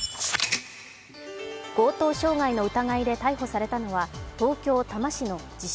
強盗傷害の疑いで逮捕されたのは東京・多摩市の自称